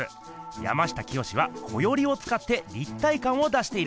山下清は「こより」をつかって立体かんを出しているんです。